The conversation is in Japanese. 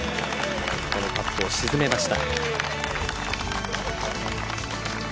このパットを沈めました。